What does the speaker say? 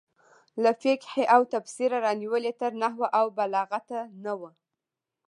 له فقهې او تفسیره رانیولې تر نحو او بلاغته نه وو.